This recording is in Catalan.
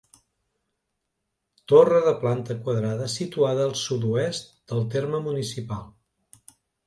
Torre de planta quadrada, situada al sud-oest del terme municipal.